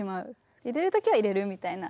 入れるときは入れるみたいな。